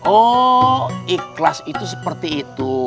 oh ikhlas itu seperti itu